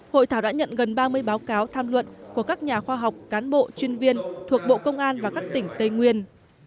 hội thảo đã nhận gần ba mươi báo cáo tham luận của các nhà khoa học cán bộ chuyên viên thuộc bộ công an và các tỉnh tây nguyên